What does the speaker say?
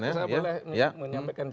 saya boleh menyampaikan